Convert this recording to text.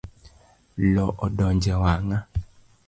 Loo odonje wanga.